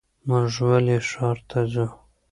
مونږ ولې ښار ته ځو؟